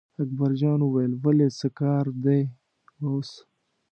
اکبرجان وویل ولې څه کار دی اوس.